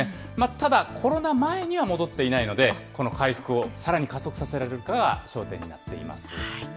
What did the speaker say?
ただ、コロナ前には戻っていないので、この回復をさらに加速させられるかが焦点になっています。